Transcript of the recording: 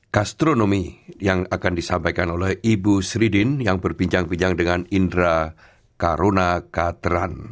gastronomi yang akan disampaikan oleh ibu sridin yang berbincang bincang dengan indra karuna katran